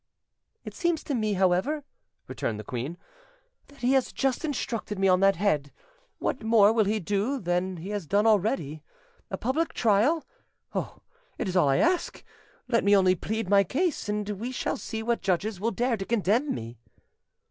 "It seems to me, however," returned the queen, "that he has just instructed me on that head: what more will he do than he has done already? A public trial! Oh! it is all I ask: let me only plead my cause, and we shall see what judges will dare to condemn me."